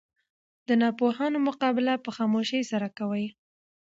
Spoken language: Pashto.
د ناپوهانو مقابله په خاموشي سره کوئ!